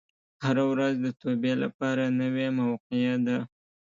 هره ورځ د توبې لپاره نوې موقع ده.